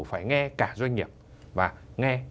phải nghe cả doanh nghiệp và nghe